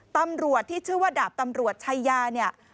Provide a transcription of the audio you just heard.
ตำรวจที่ชื่อว่าดาบตำรวจชายาเนี่ย